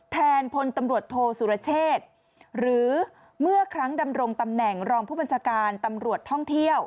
พลตำรวจโทสุรเชษหรือเมื่อครั้งดำรงตำแหน่งรองผู้บัญชาการตำรวจท่องเที่ยว